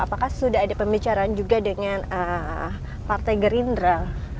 apakah sudah ada pembicaraan juga dengan partai gerindra